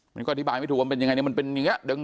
มันก็อธิบายไม่ถูกว่ามันเป็นยังไงเนี่ยมันเป็นอย่างนี้